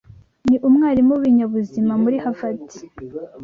Ni umwarimu w’ibinyabuzima muri Harvard.